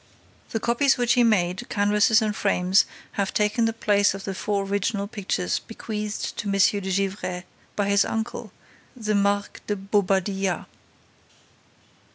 The copies which he made, canvases and frames, have taken the place of the four original pictures bequeathed to M. de Gesvres by his uncle, the Marqués de Bobadilla."